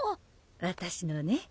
わたしのね